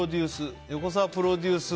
横澤プロデュース